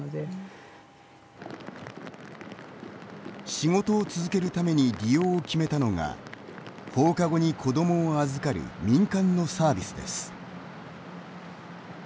仕事を続けるために利用を決めたのが放課後に子どもを預かる民間のサービスです。